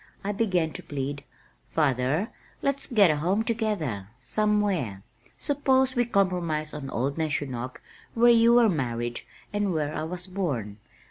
I began to plead "Father, let's get a home together, somewhere. Suppose we compromise on old Neshonoc where you were married and where I was born.